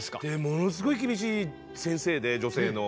ものすごい厳しい先生で女性の。